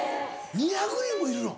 ２００人もいるの？